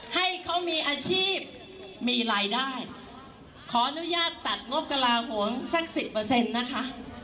ให้เขามีอาชีพมีรายได้ขออนุญาตตัดงบกระลาโหมสักสิบเปอร์เซ็นต์นะคะ